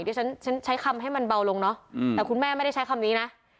ที่ฉันใช้คำให้มันเบาลงเนอะแต่คุณแม่ไม่ได้ใช้คำนี้นะ